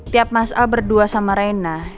tiap mas a berdua sama reina